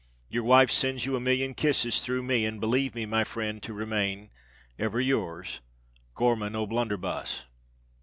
Your wife sends you a million kisses through me; and believe me, my frind, to remain "Ever yours, "GORMAN O'BLUNDERBUSS."